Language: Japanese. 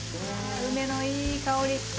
梅のいい香り。